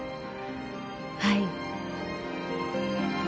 はい。